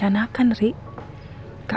apa yang sebenarnya aku rencanakan ri